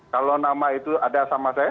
kalau nama itu ada sama saya